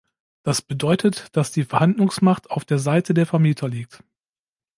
Das bedeutet, dass die Verhandlungsmacht auf der Seite der Vermieter liegt.